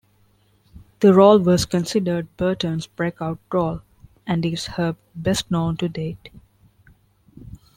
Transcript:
The role was considered Burton's breakout role and is her best-known to date.